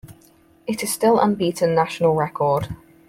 It is still unbeaten national record.